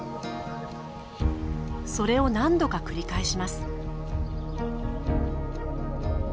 それを何度か繰り返します。